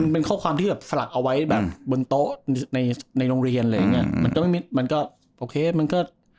เป็นข้อความที่สลักเอาไว้บนโต๊ะในโรงเรียนมันก็ไม่มิดมันก็โอเคมันก็